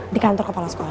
di kantor kepala sekolah